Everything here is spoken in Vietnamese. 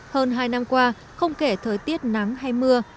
hơn hai năm qua không kể thời tiết nắng hay mưa